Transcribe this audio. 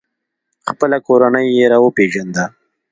خپله کورنۍ یې را وپیژنده.